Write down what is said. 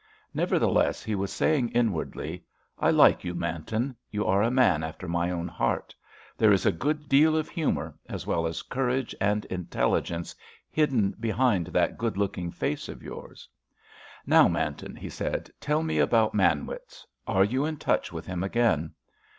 Nevertheless he was saying inwardly: "I like you, Manton; you are a man after my own heart. There is a good deal of humour, as well as courage and intelligence, hidden behind that good looking face of yours." "Now, Manton," he said, "tell me about Manwitz. Are you in touch with him again?"